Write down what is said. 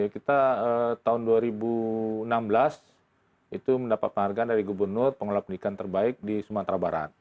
kita tahun dua ribu enam belas itu mendapat penghargaan dari gubernur pengelola pendidikan terbaik di sumatera barat